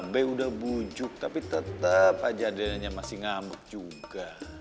be udah bujuk tapi tetep aja adriananya masih ngambek juga